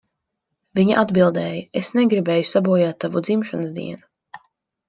Viņa atbildēja, "Es negribēju sabojāt tavu dzimšanas dienu."